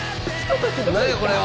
何やこれは！